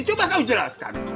coba kau jelaskan